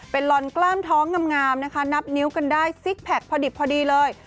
เป็นลอนกล้ามท้องงามนะคะนับนิ้วกันได้ซิกแพคพอดิบพอดีเลย